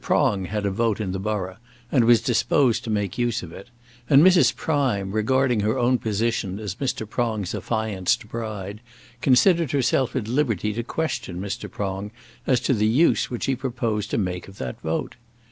Prong had a vote in the borough, and was disposed to make use of it; and Mrs. Prime, regarding her own position as Mr. Prong's affianced bride, considered herself at liberty to question Mr. Prong as to the use which he proposed to make of that vote.